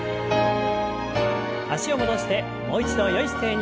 脚を戻してもう一度よい姿勢に。